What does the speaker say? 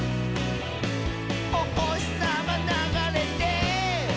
「おほしさまながれて」